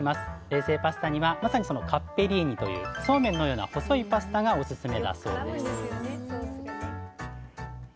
冷製パスタにはまさにそのカッペリーニというそうめんのような細いパスタがオススメだそうです